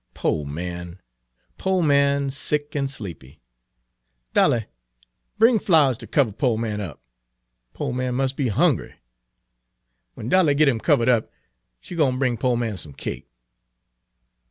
"Poo' man! Poo' man sick, an' sleepy. Dolly b'ing f'owers to cover poo' man up. Poo' man mus' be hungry. W'en Dolly get him covered up, she go b'ing poo' man some cake."